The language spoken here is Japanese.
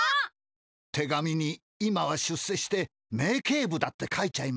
手紙に「今は出世して名警部だ」って書いちゃいまして。